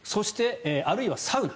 あるいはサウナ。